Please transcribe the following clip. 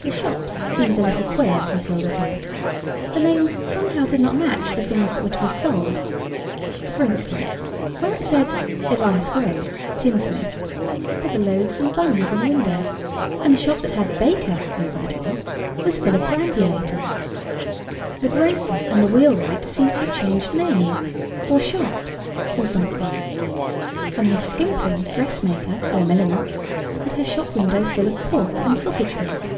The shops seemed a little queer, Matilda thought. The names somehow did not match the things that were to be sold. For instance, where it said "Elias Groves, Tinsmith," there were loaves and buns in the window, and the shop that had "Baker" over the door, was full of perambulators—the grocer and the wheelwright seemed to have changed names, or shops, or something—and Miss Skimpling, Dressmaker or Milliner, had her shop window full of pork and sausage meat.